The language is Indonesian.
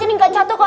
ini gak jatuh kok